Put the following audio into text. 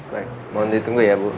baik mohon ditunggu ya bu